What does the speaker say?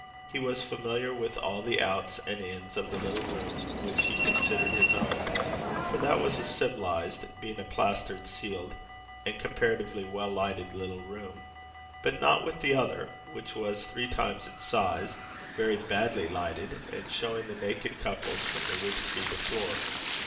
He was familiar with all the outs and ins of the little room which he considered his own, for that was a civilized, being a plastered, ceiled, and comparatively well lighted little room, but not with the other, which was three times its size, very badly lighted, and showing the naked couples from roof tree to floor.